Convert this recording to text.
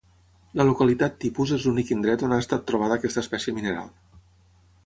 La localitat tipus és l'únic indret on ha estat trobada aquesta espècie mineral.